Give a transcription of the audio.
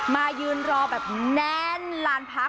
มายืนรอแบบแนน